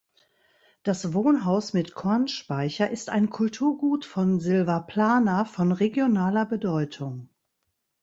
Das Wohnhaus mit Kornspeicher ist ein Kulturgut von Silvaplana von regionaler Bedeutung.